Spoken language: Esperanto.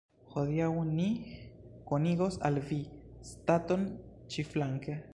Hodiaŭ ni konigos al vi staton ĉiflanke.